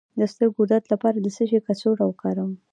د سترګو درد لپاره د څه شي کڅوړه وکاروم؟